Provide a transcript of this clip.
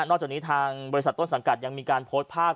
จากนี้ทางบริษัทต้นสังกัดยังมีการโพสต์ภาพ